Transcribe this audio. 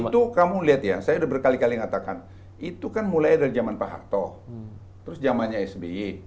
itu kamu lihat ya saya udah berkali kali ngatakan itu kan mulai dari zaman pak harto terus jamannya sby